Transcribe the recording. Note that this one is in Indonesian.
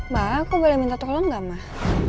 mbak aku boleh minta tolong nggak mbak